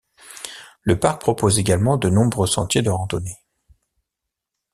Le parc propose également de nombreux sentiers de randonnée.